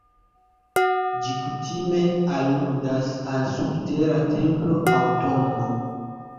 Ĝi kutime aludas al subtera templo aŭ tombo.